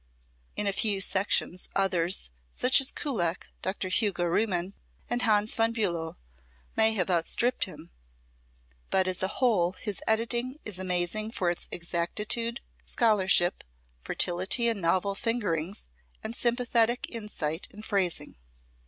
In a few sections others, such as Kullak, Dr. Hugo Riemann and Hans von Bulow, may have outstripped him, but as a whole his editing is amazing for its exactitude, scholarship, fertility in novel fingerings and sympathetic insight in phrasing.